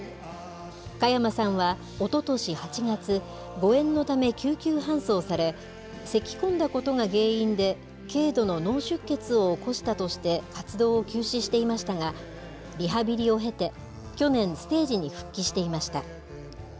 加山さんはおととし８月、誤えんのため救急搬送され、せきこんだことが原因で軽度の脳出血を起こしたとして活動を休止していましたが、リハビリを経て去年、ステージに復帰していました。